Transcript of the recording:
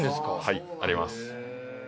はいあります。